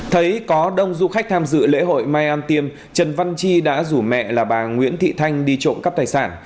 thấy có đông du khách tham dự lễ hội mai an tiêm trần văn chi đã rủ mẹ là bà nguyễn thị thanh đi trộm cắp tài sản